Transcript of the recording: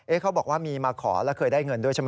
เขาบอกว่ามีมาขอแล้วเคยได้เงินด้วยใช่ไหม